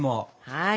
はい。